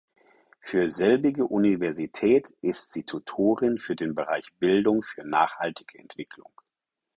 Für selbige Universität ist sie Tutorin für den Bereich Bildung für nachhaltige Entwicklung.